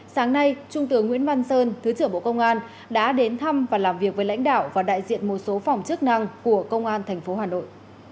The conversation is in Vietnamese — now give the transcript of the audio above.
sáng nay trung tướng nguyễn văn sơn thứ trưởng bộ công an đã đến thăm và làm việc với lãnh đạo và đại diện một số phòng chức năng của công an tp hà nội